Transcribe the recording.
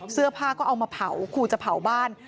เสื้อผ้าก็เอามาเผาขู่จะเผาบ้าน